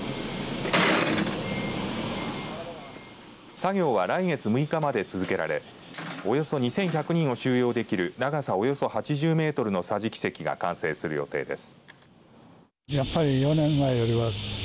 作業は来月６日まで続けられおよそ２１００人を収容できる長さおよそ８０メートルの桟敷席が完成する予定です。